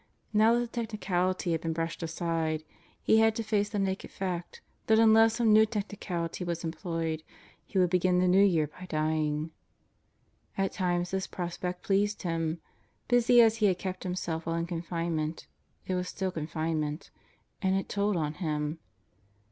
Now that the technicality had been brushed aside, he had to face the naked fact that unless some new technicality was employed he would begin the New Year by dying At times this prospect pleased him. Busy as he had kept himself while in confinement, it was still confinement and it told on him.